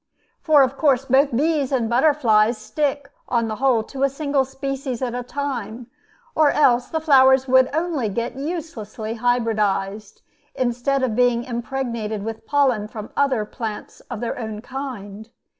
For of course both bees and butterflies stick on the whole to a single species at a time; or else the flowers would only get uselessly hybridized, instead of being impregnated with pollen from other plants of their own kind.